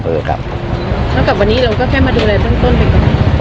แล้วกับวันนี้เราก็แค่มาเจออะไรเป็นต้นไปก่อน